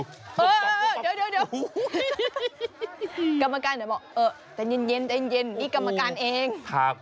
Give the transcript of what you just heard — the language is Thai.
กรรมการก็บอกแต่เย็นที่กรรมการเอง